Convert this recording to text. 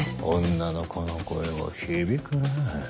女の子の声は響くねぇ。